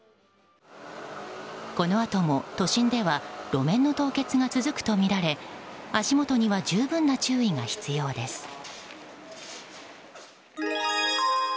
このあとも都心では路面の凍結が続くとみられ足元には十分な注意が必要です。